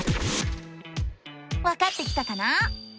わかってきたかな？